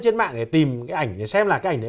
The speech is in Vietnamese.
trên mạng để tìm cái ảnh để xem là cái ảnh đấy